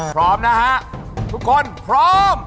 พร้อมนะฮะทุกคนพร้อม